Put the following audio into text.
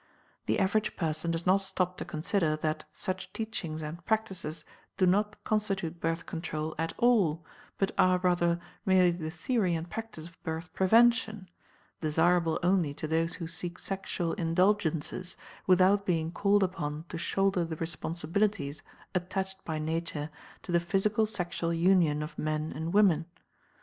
The average person does not stop to consider that such teachings and practices do not constitute "Birth Control" at all, but are, rather, merely the theory and practice of Birth Prevention, desirable only to those who seek sexual indulgences without being called upon to shoulder the responsibilities attached by Nature to the physical sexual union of men and women.